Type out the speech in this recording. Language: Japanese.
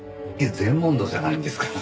禅問答じゃないんですから。